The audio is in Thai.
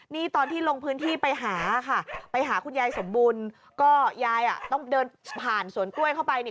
นี่ตอนที่ลงพื้นที่ไปหาค่ะไปหาคุณยายสมบูรณ์ก็ยายอ่ะต้องเดินผ่านสวนกล้วยเข้าไปเนี่ย